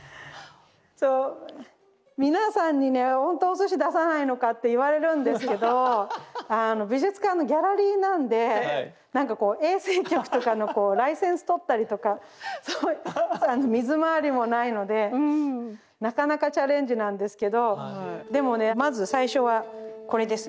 そう皆さんにね「ほんとお寿司出さないのか」って言われるんですけど美術館のギャラリーなんで何かこう衛生局とかのこうライセンス取ったりとか水回りもないのでなかなかチャレンジなんですけどでもねまず最初はこれですね。